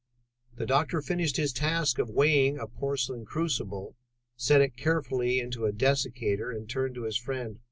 The doctor finished his task of weighing a porcelain crucible, set it carefully into a dessicator, and turned to his friend.